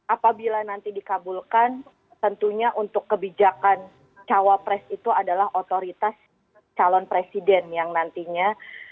apabila nanti dikabulkan tentunya untuk kebijakan cawapres itu adalah otoritas calon presiden yang nantinya